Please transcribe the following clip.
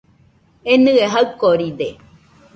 Enɨe jaɨkoride